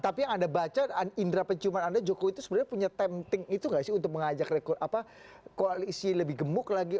tapi yang anda baca indera penciuman anda jokowi itu sebenarnya punya tempting itu nggak sih untuk mengajak koalisi lebih gemuk lagi